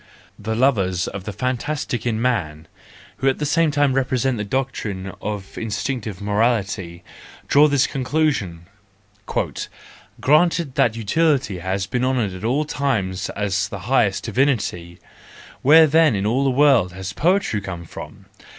—The lovers of the fantastic in man, who at the same time represent the doctrine of instinctive morality, draw this conclusion: 44 Granted that utility has been honoured at all times as the highest divinity, where then in all the world has poetry come from